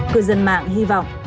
cư dân mạng hy vọng